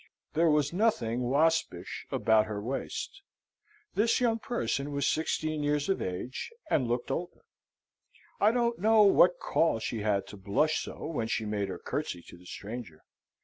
There was nothing waspish about her waist. This young person was sixteen years of age, and looked older. I don't know what call she had to blush so when she made her curtsey to the stranger.